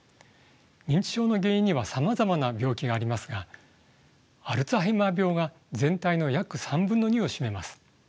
認知症の原因にはさまざまな病気がありますがアルツハイマー病が全体の約３分の２を占めます。